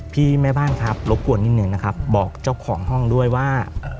แม่บ้านครับรบกวนนิดหนึ่งนะครับบอกเจ้าของห้องด้วยว่า